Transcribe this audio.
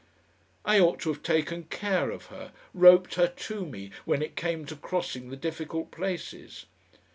I ought to have taken care of her, roped her to me when it came to crossing the difficult places.